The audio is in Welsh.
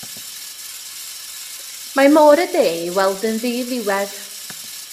Mae Môr y De i weld yn ddiddiwedd.